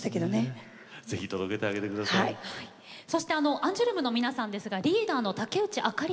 アンジュルムの皆さんですがリーダーの竹内朱莉さん